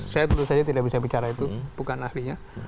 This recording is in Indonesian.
saya tentu saja tidak bisa bicara itu bukan ahlinya